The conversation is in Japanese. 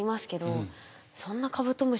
そんなカブトムシでも。